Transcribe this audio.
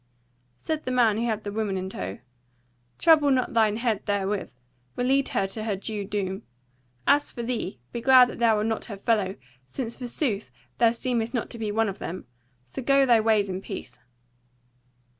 Said the man who had the woman in tow: "Trouble not thine head therewith; we lead her to her due doom. As for thee, be glad that thou art not her fellow; since forsooth thou seemest not to be one of them; so go thy ways in peace."